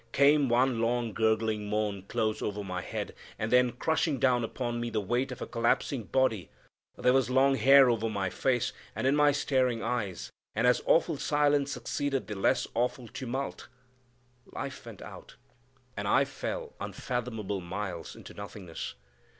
Came one long, gurgling moan close over my head, and then, crushing down upon me, the weight of a collapsing body; there was long hair over my face, and in my staring eyes; and as awful silence succeeded the less awful tumult, life went out, and I fell unfathomable miles into nothingness.